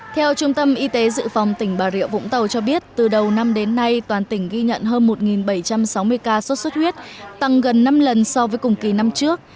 theo trung tâm y tế dự phòng tỉnh bà rịa vũng tàu cho biết từ đầu năm đến nay toàn tỉnh ghi nhận hơn một bảy trăm sáu mươi ca sốt xuất huyết tăng gần năm lần so với cùng kỳ năm trước